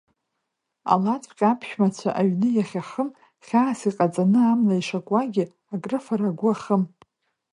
Алаҵәҟьа аԥшәмацәа аҩны иахьахым хьаас иҟаҵаны, амла ишакәуагьы, акрыфара агәы ахым.